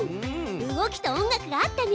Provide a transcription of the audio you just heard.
動きと音楽が合ったね！